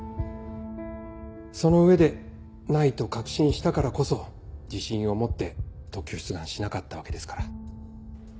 その上で「ない」と確信したからこそ自信を持って特許出願しなかったわけですから。